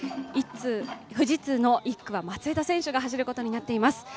富士通の１区は松枝選手が走ることになっています。